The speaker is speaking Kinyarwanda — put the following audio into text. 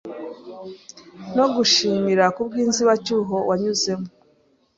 no gushimira Kubwinzibacyuho wanyuzemo